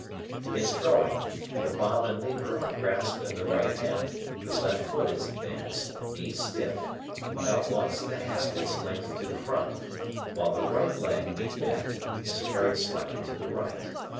In throwing, the bomb and lever are grasped in the right hand, the left foot is advanced, knee stiff, about once and a half its length to the front, while the right leg, knee bent, is carried slightly to the right.